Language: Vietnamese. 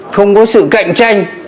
không có sự cạnh tranh